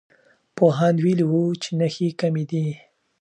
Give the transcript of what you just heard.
پوهاند ویلي وو چې نښې کمي دي.